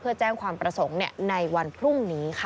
เพื่อแจ้งความประสงค์ในวันพรุ่งนี้ค่ะ